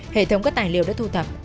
hệ thống các tài liệu đã thu thập